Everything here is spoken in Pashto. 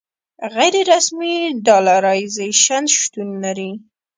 غیر رسمي ډالرایزیشن شتون لري.